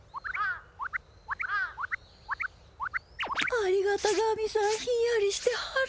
ありがた神さんひんやりしてはる。